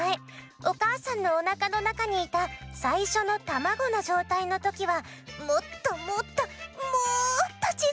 おかあさんのおなかのなかにいたさいしょのたまごのじょうたいのときはもっともっともっとちいさかったのよね。